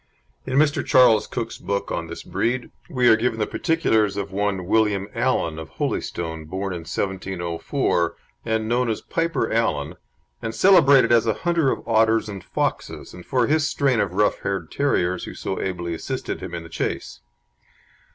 In Mr. Charles Cook's book on this breed, we are given particulars of one William Allan, of Holystone, born in 1704, and known as Piper Allan, and celebrated as a hunter of otters and foxes, and for his strain of rough haired terriers who so ably assisted him in the chase.